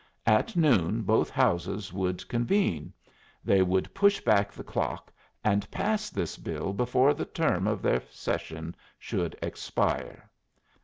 At noon both Houses would convene; they would push back the clock, and pass this bill before the term of their session should expire.